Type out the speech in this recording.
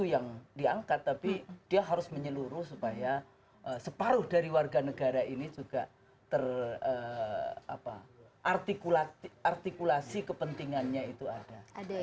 yang diangkat tapi dia harus menyeluruh supaya separuh dari warga negara ini juga terartikulasi kepentingannya itu ada